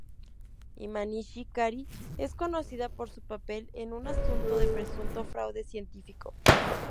Imanishi-Kari es conocida por su papel en un asunto de presunto fraude científico.